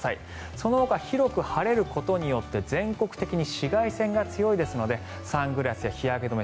そのほか広く晴れることによって全国的に紫外線が強いですのでサングラスや日焼け止め